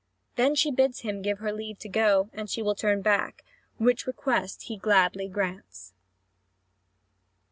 Then she bids him give her leave to go, and she will turn back, which request he gladly grants.